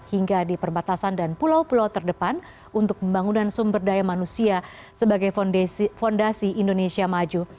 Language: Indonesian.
hingga di perbatasan dan pulau pulau terdepan untuk pembangunan sumber daya manusia sebagai fondasi indonesia maju